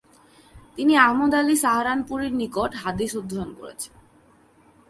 তিনি আহমদ আলী সাহারানপুরির নিকট হাদিস অধ্যয়ন করেছেন।